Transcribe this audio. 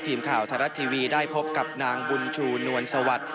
ทีมข่าวไทยรัฐทีวีได้พบกับนางบุญชูนวลสวัสดิ